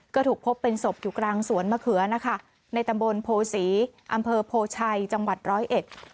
ก็ถูกพบเป็นศพอยู่กลางสวนมะเขือนะคะในตำบลโพศีอำเภอโพชัยจังหวัดร้อยเอ็ด